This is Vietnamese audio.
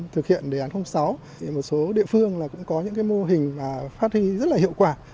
thực hiện đề án sáu một số địa phương cũng có những mô hình phát huy rất hiệu quả